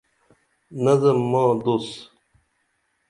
نظم ماں دوس